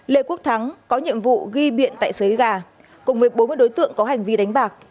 lê quốc thắng có nhiệm vụ ghi biện tại xới gà cùng với bốn mươi đối tượng có hành vi đánh bạc